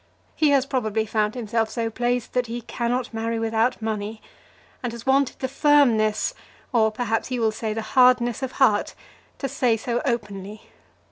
He has probably found himself so placed that he cannot marry without money, and has wanted the firmness, or perhaps you will say the hardness of heart, to say so openly.